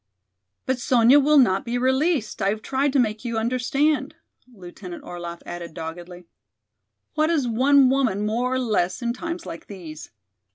"But Sonya will not be released, I have tried to make you understand," Lieutenant Orlaff added doggedly. "What is one woman more or less in times like these?